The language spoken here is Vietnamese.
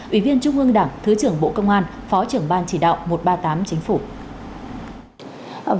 ủy viên trung ương đảng thứ trưởng bộ công an phó trưởng ban chỉ đạo một trăm ba mươi tám chính phủ